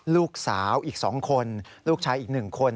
ลูกสาวอีก๒คนลูกชายอีก๑คน